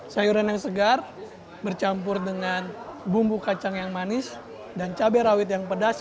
sayuran yang segar bercampur dengan bumbu kacang yang manis dan cabai rawit yang pedas